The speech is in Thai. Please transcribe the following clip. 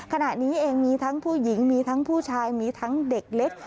ขณะนี้เองมีทั้งผู้หญิงมีทั้งผู้ชายมีทั้งเด็กเล็ก